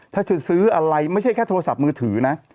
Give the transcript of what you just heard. ถ้าจะซื้ออะไรไม่ใช่แค่โทรศัพท์มือถือนะ